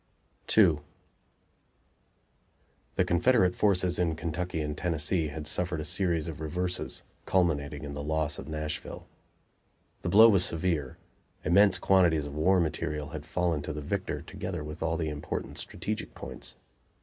II The Confederate forces in Kentucky and Tennessee had suffered a series of reverses, culminating in the loss of Nashville. The blow was severe: immense quantities of war material had fallen to the victor, together with all the important strategic points.